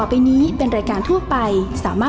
แม่ป้องประจัญบาร์